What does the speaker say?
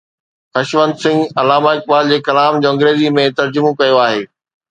خشونت سنگهه علامه اقبال جي ڪلام جو انگريزيءَ ۾ ترجمو ڪيو آهي.